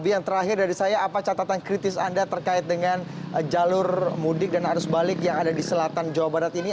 jadi saya apa catatan kritis anda terkait dengan jalur mudik dan arus balik yang ada di selatan jawa barat ini